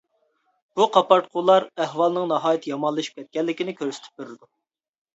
بۇ قاپارتقۇلار ئەھۋالنىڭ ناھايىتى يامانلىشىپ كەتكەنلىكنى كۆرسىتىپ بېرىدۇ.